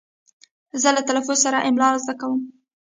زه له تلفظ سره املا زده کوم.